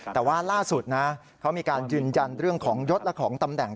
แต่ว่าล่าสุดนะเขามีการยืนยันเรื่องของยศและของตำแหน่ง